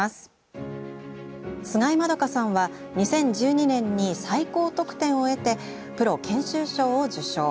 菅井円加さんは２０１２年に最高得点を得てプロ研修賞を受賞。